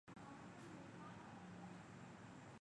แดงเขียวหวานเนื้อ นิยมใส่มะเขือพวง